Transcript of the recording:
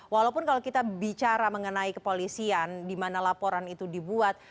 walaupun kalau kita bicara mengenai kepolisian di mana laporan itu dibuat